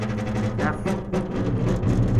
دس !‘‘